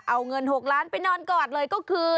เอาเงิน๖ล้านไปนอนกอดเลยก็คือ